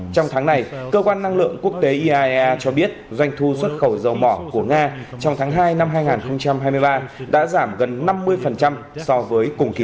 trong tháng này cơ quan năng lượng quốc tế iaea cho biết doanh thu xuất khẩu dầu mỏ của nga trong tháng hai năm hai nghìn hai mươi ba đã giảm gần năm mươi so với cùng kỳ